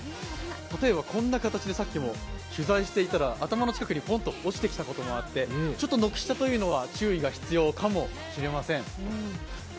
例えばこんな形でさっきも取材していたら頭の近くにポンと落ちてきてちょっと軒下というのは注意が必要かもしれません。